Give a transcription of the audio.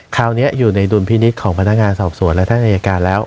คราวนี้อยู่ในดุลพินิษฐ์ของพนักงานสอบสวนและท่านอายการแล้ว